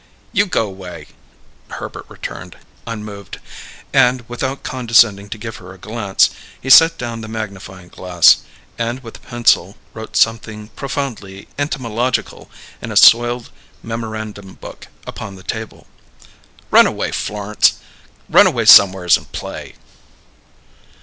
"You g'way," Herbert returned, unmoved; and, without condescending to give her a glance, he set down the magnifying glass, and with a pencil wrote something profoundly entomological in a soiled memorandum book upon the table. "Run away, Flor'nce. Run away somewheres and play."